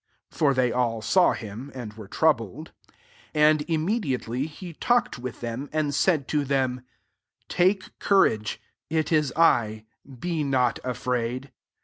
50 (For they all saw him, and were troubled.) And immediately, he talked with them, and said to them, ^ Take courage : it is I ; be not afi*aid.''